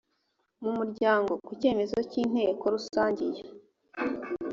mu muryango ku cyemezo cy inteko rusange iyo